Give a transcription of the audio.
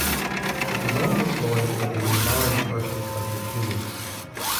It was on this voyage that the Minbari first encountered humans.